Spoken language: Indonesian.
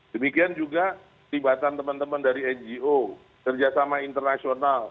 demikian juga timbatan teman teman dari ngo kerjasama internasional